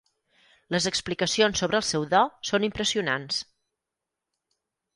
Les explicacions sobre el seu do són impressionants.